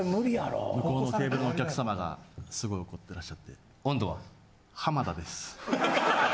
向こうのテーブルのお客様がすごい怒ってらっしゃって。